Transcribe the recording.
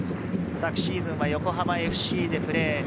昨シーズンは横浜ＦＣでプレー。